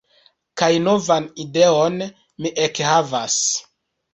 Kaj novan ideon mi ekhavas.